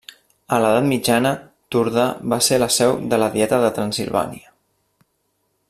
A l'Edat Mitjana, Turda va ser la seu de la Dieta de Transsilvània.